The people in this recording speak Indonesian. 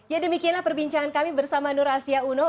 ya demikianlah perbincangan kami bersama nur asia uno